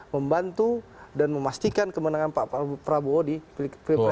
membantu dan memastikan kemenangan pak prabowo di pilkada jawa barat